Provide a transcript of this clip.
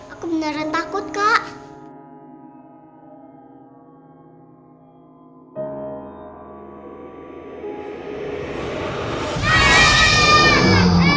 aku beneran takut kak